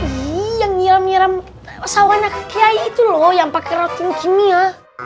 iiih yang nyiram nyiram sawan akak kiai itu loh yang pakai rutin kimia